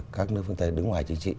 các nước phương tây đứng ngoài chính trị